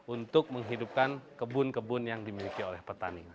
untuk menghidupkan kebun kebun yang dimiliki oleh petani